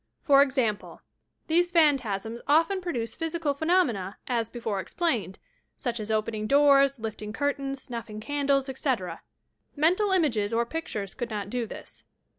For example: these phantasms often produce physical phenomena, as before explained, — such as opening doors, lifting curtains, snuffing candles, etc. Mental images or pictures could not do this.